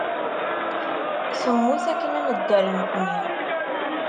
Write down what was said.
Temmut akken ad nedder nekkni.